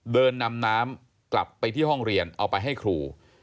เดินนำน้ำกลับไปที่ห้องเรียนเอาไปให้ครู